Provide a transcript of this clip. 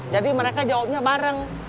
jadi mereka jawabnya bareng